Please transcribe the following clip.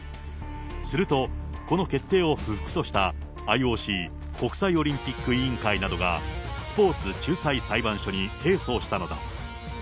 すると、この決定を不服としたＩＯＣ・国際オリンピック委員会などが、スポーツ仲裁裁判所に提訴したのだ。